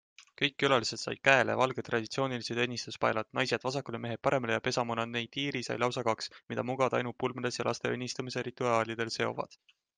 Kõik külalised said käele valged traditsioonilised õnnistuspaelad - naised vasakule, mehed paremale ja pesamuna Neytiri sai lausa kaks -, mida mungad ainult pulmades ja laste õnnistamiste rituaalidel seovad.